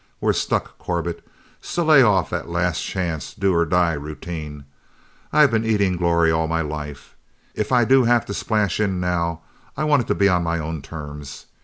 We're stuck, Corbett, so lay off that last chance, do or die routine. I've been eating glory all my life. If I do have to splash in now, I want it to be on my own terms.